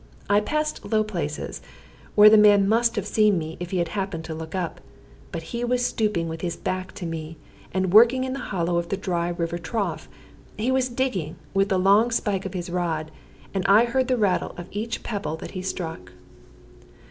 I passed low places, where the man must have seen me if he had happened to look up; but he was stooping with his back to me, and working in the hollow of the dry water trough. He was digging with the long spike of his rod, and I heard the rattle of each pebble that he struck.